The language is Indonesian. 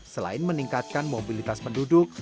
selain meningkatkan mobilitas penduduk